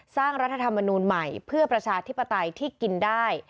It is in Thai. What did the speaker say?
รัฐธรรมนูลใหม่เพื่อประชาธิปไตยที่กินได้